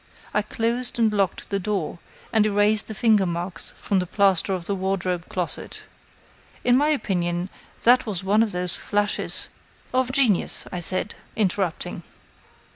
I closed and locked the door, and erased the finger marks from the plaster in the wardrobe closet. In my opinion, that was one of those flashes " "Of genius," I said, interrupting.